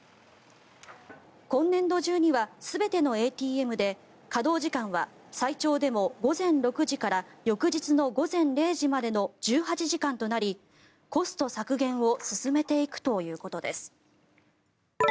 今年度中には全てのＡＴＭで稼働時間は最長でも午前６時から翌日の午前０時までの１８時間となりコスト削減を進めていくということです。